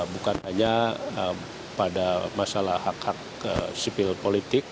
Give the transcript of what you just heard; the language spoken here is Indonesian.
bukan hanya pada masalah hak hak sipil politik